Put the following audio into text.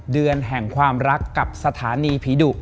เดือนแห่งความรักกับสถานีผีดุ